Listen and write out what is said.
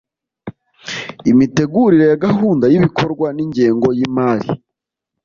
Imitegurire ya gahunda y’ibikorwa n’ingengo y’imari